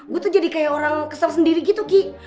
gue tuh jadi kayak orang kesel sendiri gitu ki